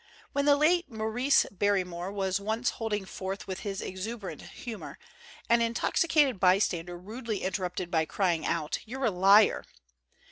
When the late Maurice Barrymore was once holding forth with his exuberant humor, an intoxicated bystander rudely interrupted by crying out, "You're a liar!"